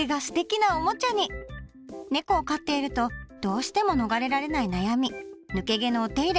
ねこを飼っているとどうしても逃れられない悩み抜け毛のお手入れ。